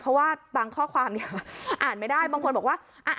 เพราะว่าบางข้อความเนี่ยอ่านไม่ได้บางคนบอกว่า